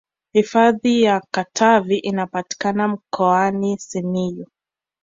hifadhi ya katavi inapatikana mkoani simiyu